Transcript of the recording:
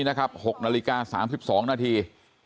นะครับ๖นาฬิกา๓๒นาที